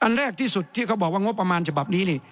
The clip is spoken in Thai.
แรกที่สุดที่เขาบอกว่างบประมาณฉบับนี้นี่